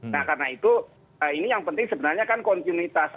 nah karena itu ini yang penting sebenarnya kan kontinuitas